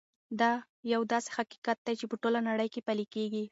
دا یو داسې حقیقت دی چې په ټوله نړۍ کې پلی کېږي.